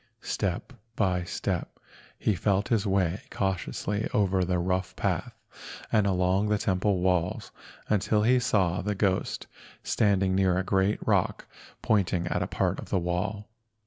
Step by step he felt his way cautiously over the rough path and along the temple walls until he saw the ghost standing near a great rock pointing at a part of the wall.